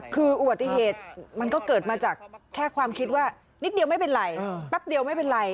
คืออุบัติเหตุมันก็เกิดมาจากแค่ความคิดว่านิดเดียวไม่เป็นไรแป๊บเดียวไม่เป็นไร